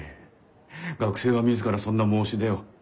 学生が自らそんな申し出を。